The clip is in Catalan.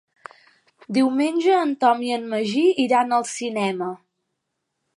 Diumenge en Tom i en Magí iran al cinema.